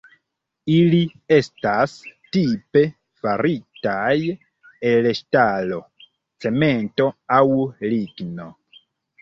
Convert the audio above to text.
Ili estas tipe faritaj el ŝtalo, cemento aŭ ligno.